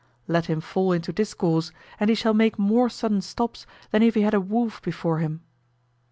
Let him fall into discourse, and he shall make more sudden stops than if he had a wolf before him.